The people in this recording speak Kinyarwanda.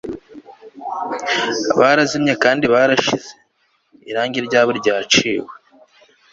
barazimye kandi barashize, irangi ryabo ryaciwe